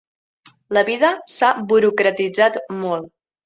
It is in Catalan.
La vida s'ha burocratitzat molt.